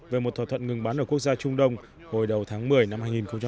về một thỏa thuận ngừng bắn ở quốc gia trung đông hồi đầu tháng một mươi năm hai nghìn một mươi năm